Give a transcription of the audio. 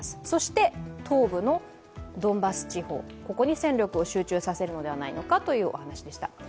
そして、東部のドンバス地方ここに戦力を集中させるのではないかというお話でした。